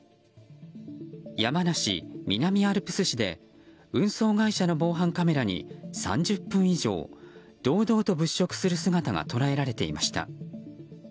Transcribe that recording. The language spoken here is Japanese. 山梨・南アルプス市で運送会社の防犯カメラに３０分以上、堂々と物色する姿が捉えられていました。